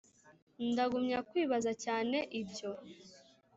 ndagumya kwibaza cyane ibyo